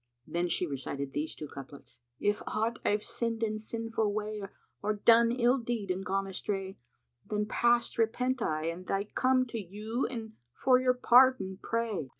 Then she recited these two couplets, "If aught I've sinned in sinful way, * Or done ill deed and gone astray, The past repent I and I come * To you and for your pardon pray!"